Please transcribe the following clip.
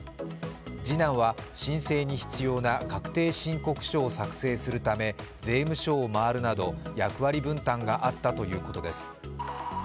次男は申請に必要な確定申告書を作成するため税務署を回るなど役割分担があったということです。